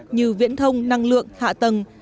như viễn thông năng lượng hạ tầng